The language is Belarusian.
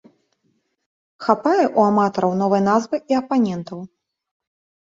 Хапае ў аматараў новай назвы і апанентаў.